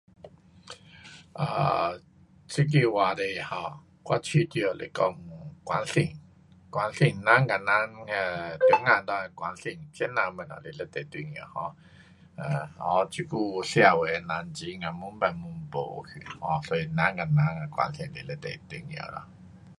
um 这个话题 um 我觉得是讲关心，关心，人跟人 um 中间内的关心，这呐东西是非常重要 um 这久社会的人情啊越变越没去，um 所以人跟人的关心是非常重要的。